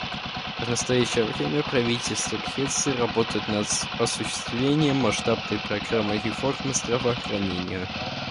В настоящее время правительство Греции работает над осуществлением масштабной программы реформы здравоохранения.